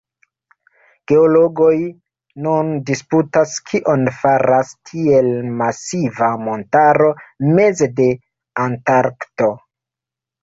Geologoj nun disputas, kion faras tiel masiva montaro meze de Antarkto.